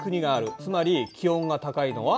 つまり気温が高いのは？